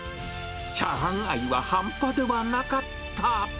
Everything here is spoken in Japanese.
チャーハン愛は半端ではなかった。